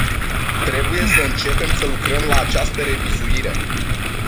Trebuie să începem să lucrăm la această revizuire.